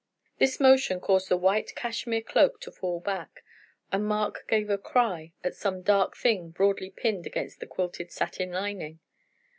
This motion caused the white cashmere cloak to fall back, and Mark gave a cry at some dark thing broadly pinned against the quilted satin lining.